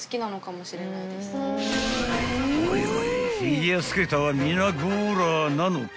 ［おいおいフィギュアスケーターは皆ゴーラーなのか？］